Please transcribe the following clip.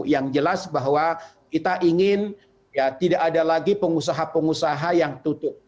yang jelas bahwa kita ingin ya tidak ada lagi pengusaha pengusaha yang tutup